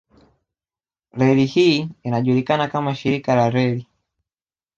Reli hii inajulikana kama shirika la reli